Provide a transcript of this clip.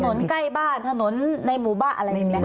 ถนนใกล้บ้านถนนในหมู่บ้าร์อะไร